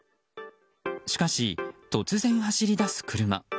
しかし、突然走り出す車。